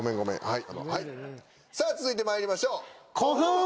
はいさぁ続いてまいりましょう。